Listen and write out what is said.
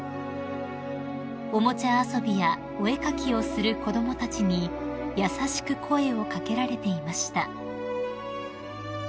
［おもちゃ遊びやお絵描きをする子供たちに優しく声を掛けられていました］